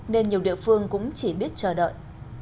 nên nhiều địa phương cũng chỉ biết chờ đợi